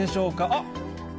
あっ！